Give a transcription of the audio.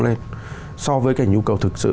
lên so với cái nhu cầu thực sự